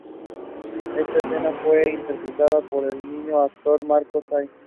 Esta escena fue interpretada por el niño-actor Marcos Sáez.